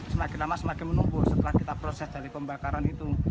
semakin lama semakin menumbuh setelah kita proses dari pembakaran itu